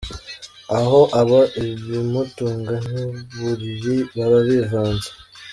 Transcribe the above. Aho aba ibimutunga n’uburiri baba bivanze.